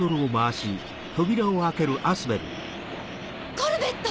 コルベット！